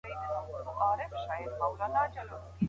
که ماشينونه خراب شي، انسان باید لاس پورې کړي.